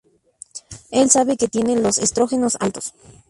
Él sabe que tiene los estrógenos altos.